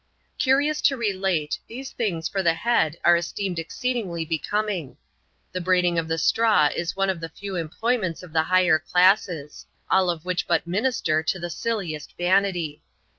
Curious to relate, these things for the head are esteemed ex ceedingly becoming. The braiding of the straw is one of the few employments of the higher classes ; all of which but minister to the silliest vanity.